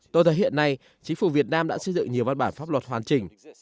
tôi thấy hiện nay chính phủ việt nam đã xây dựng nhiều văn bản pháp luật hoàn chỉnh